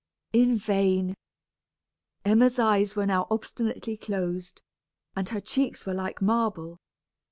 In vain! Emma's eyes were now obstinately closed, and her cheeks were like marble.